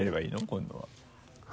今度は。